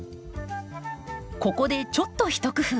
ここでちょっと一工夫。